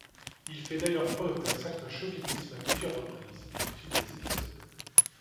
Il fait d'ailleurs preuve d'un certain chauvinisme à plusieurs reprises, au fil des épisodes.